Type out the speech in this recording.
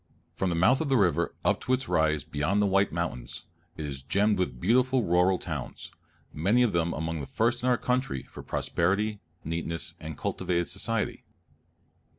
From the mouth of the river up to its rise beyond the White Mountains, it is gemmed with beautiful rural towns, many of them among the first in our country for prosperity, neatness, and cultivated society.